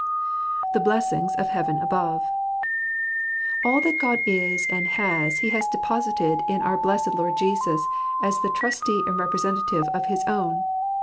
The Blessings of Heaven Above. All that God is and has He has deposited in our blessed Lord Jesus, as the Trustee and Representative of his own.